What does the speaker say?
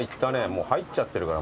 もう入っちゃってるから。